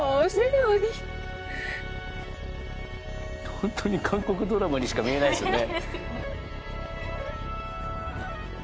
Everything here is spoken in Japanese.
ホントに韓国ドラマにしか見えないですよね。